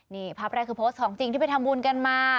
นี่ภาพแรกคือโพสต์ของจริงที่ไปทำบุญกันมา